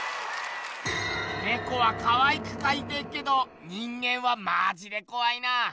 ネコはかわいくかいてっけど人間はマジでこわいな。